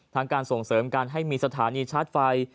การส่งเสริมการให้มีสถานีชาร์จไฟ